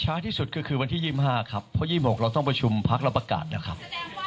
ที่สุดคือวันที่๒๕ครับเพราะ๒๖เราต้องประชุมพักเราประกาศนะครับ